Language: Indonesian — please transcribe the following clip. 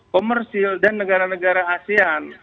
komersil dan negara negara asean